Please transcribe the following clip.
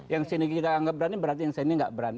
yang sini kita anggap berani berarti yang sini nggak berani